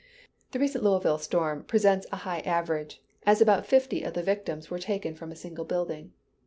The recent Louisville storm presents a high average, as about fifty of the victims were taken from a single building.